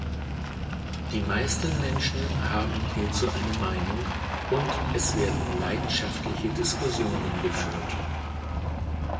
Die meisten Menschen haben hierzu eine Meinung, und es werden leidenschaftliche Diskussionen geführt.